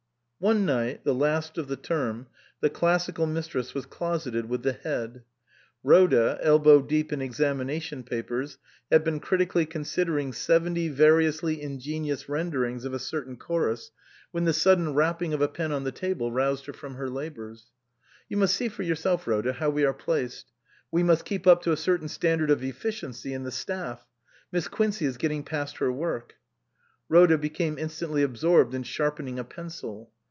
One night, the last of the term, the Classical Mistress was closeted with the Head. Rhoda, elbow deep in examination papers, had been critically considering seventy variously ingeni ous renderings of a certain chorus, when the 310 MISS QUINCEY STANDS BACK sudden rapping of a pen on the table roused her from her labours. " You must see for yourself, Rhoda, how we are placed. We must keep up to a certain standard of efficiency in the staff. Miss Quin cey is getting past her work." (Rhoda became instantly absorbed in sharpen ing a pencil.)